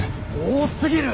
多すぎる！